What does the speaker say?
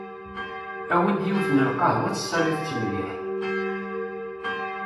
Awi-d yiwet n lqehwa tessaliḍ-tt mliḥ.